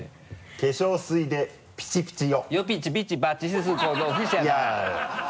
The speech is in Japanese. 「化粧水でピチピチよ」